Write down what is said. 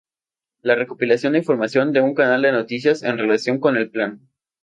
La recopilación de información de un canal de noticias en relación con el plan.